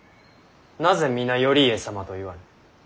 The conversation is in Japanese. なぜ皆頼家様と言わぬ。